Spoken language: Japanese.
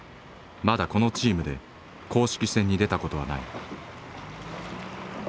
まだこのチームで公式戦に出たことはない。